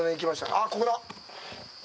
ああ、ここだ。